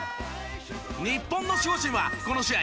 日本の守護神はこの試合